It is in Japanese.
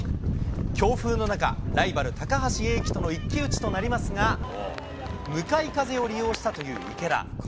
強風の中、ライバル、高橋英輝との一騎打ちとなりますが、向かい風を利用したという池田。